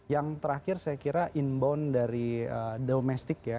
yang terakhir saya kira inbound dari domestik ya